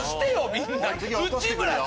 みんな。